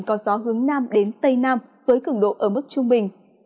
có gió hướng nam đến tây nam với cứng độ ở mức trung bình